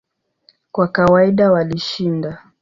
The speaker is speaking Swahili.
Kwa kawaida walishinda.